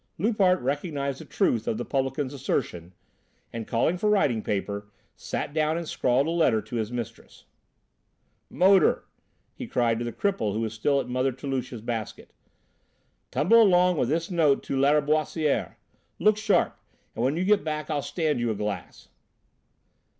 Loupart recognised the truth of the publican's assertion and, calling for writing paper, sat down and scrawled a letter to his mistress. "Motor," he cried to the cripple who was still at Mother Toulouche's basket, "tumble along with this note to Lâriboisière; look sharp, and when you get back I'll stand you a glass."